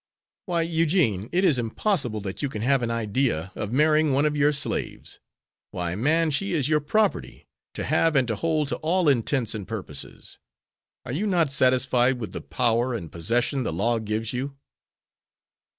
"Why, Eugene, it is impossible that you can have an idea of marrying one of your slaves. Why, man, she is your property, to have and to hold to all intents and purposes. Are you not satisfied with the power and possession the law gives you?"